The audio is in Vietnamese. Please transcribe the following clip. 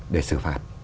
để xử phạt